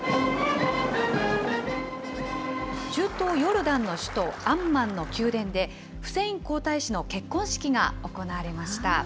中東ヨルダンの首都アンマンの宮殿で、フセイン皇太子の結婚式が行われました。